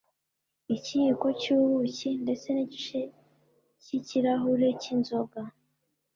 ikiyiko cy'ubuki ndetse n'igice cy'ikirahure cy'inzoga